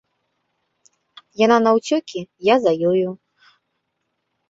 Яна наўцёкі, я за ёю.